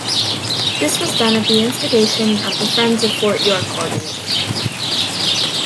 This was done at the instigation of the "Friends of Fort York" organization.